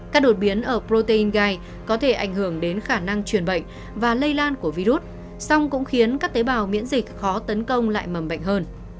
các đột biến ở protein gai có thể ảnh hưởng đến khả năng truyền bệnh và lây lan của virus song cũng khiến các tế bào miễn dịch khó tấn công lại mầm bệnh hơn